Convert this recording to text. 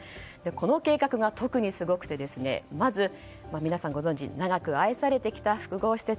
この計画が特にすごくてまず皆さん、ご存じ長く愛されてきた複合施設